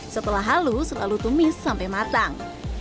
setelah halus lalu tumis sampai matang